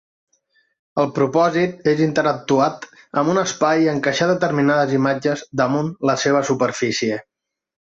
El propòsit és interactuat amb un espai i encaixar determinades imatges damunt la seva superfície.